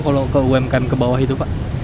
kalau ke umkm ke bawah itu pak